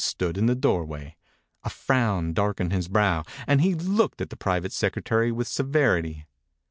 Fielding stood in the doorway 1 A frown darkened his brow and he looked at the private secretary with severity.